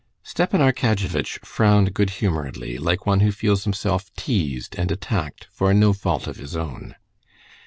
Stepan Arkadyevitch frowned good humoredly, like one who feels himself teased and attacked for no fault of his own.